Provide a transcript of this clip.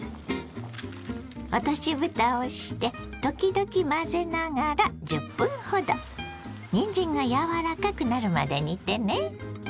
落としぶたをして時々混ぜながら１０分ほどにんじんが柔らかくなるまで煮てね。